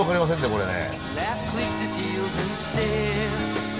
これね。